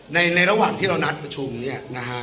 ในระหว่างที่เรานัดประชุมเนี่ยนะฮะ